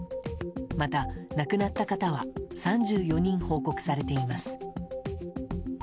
また亡くなった方は３４人報告されています。